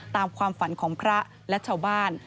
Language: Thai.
ตามความฝันของพระและชาวบ้าน